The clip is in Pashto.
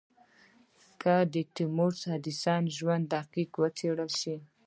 که د توماس ايډېسن ژوند دقيق وڅېړل شي.